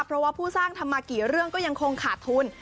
เพราะว่าผู้สร้างทำมากี่เรื่องก็ยังคงขาดทุน